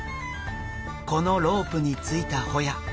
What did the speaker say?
このロープについたホヤ。